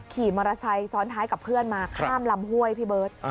ขี่มอเตอร์ไซค์ซ้อนท้ายกับเพื่อนมาข้ามลำห้วยพี่เบิร์ต